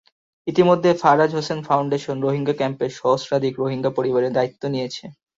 ইতিমধ্যে ফারাজ হোসেন ফাউন্ডেশন রোহিঙ্গা ক্যাম্পে সহস্রাধিক রোহিঙ্গা পরিবারের দায়িত্ব নিয়েছে।